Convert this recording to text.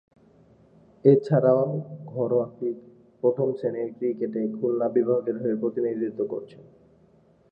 এছাড়াও, ঘরোয়া প্রথম-শ্রেণীর ক্রিকেটে খুলনা বিভাগের প্রতিনিধিত্ব করছেন।